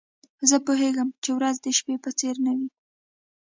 زه پوهیږم چي ورځ د شپې په څېر نه وي.